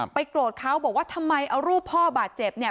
โกรธเขาบอกว่าทำไมเอารูปพ่อบาดเจ็บเนี่ย